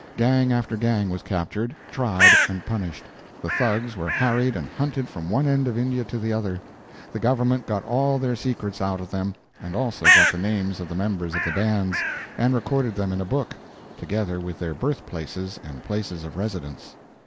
Gang after gang was captured, tried, and punished. The Thugs were harried and hunted from one end of India to the other. The government got all their secrets out of them; and also got the names of the members of the bands, and recorded them in a book, together with their birthplaces and places of residence.